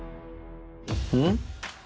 うん？